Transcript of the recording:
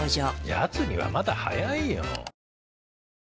やつにはまだ早いよ。